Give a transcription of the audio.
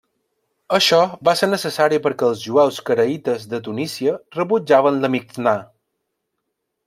Això va ser necessari perquè els jueus caraïtes de Tunísia rebutjaven la Mixnà.